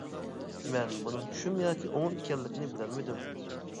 مەن بۇنىڭ چۈشۈم ياكى ئوڭۇم ئىكەنلىكىنى بىلەلمىدىم.